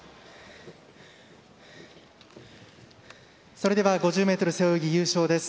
それでは５０ｍ背泳ぎ優勝です。